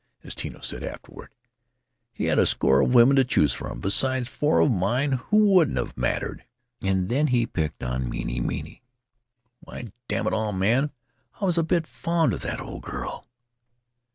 As Tino said afterward : "He had a score of women to choose from, beside four of mine who wouldn't have mattered — and then he picked on Manini! Why, damn it all! man, I was a bit fond of the old girl!"